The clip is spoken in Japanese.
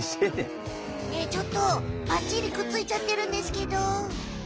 ねえちょっとバッチリくっついちゃってるんですけど。